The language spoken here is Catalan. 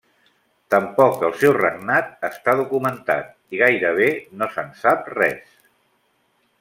Tampoc el seu regnat està documentat i gairebé no se'n sap res.